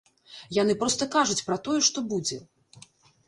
Яны проста кажуць пра тое, што будзе.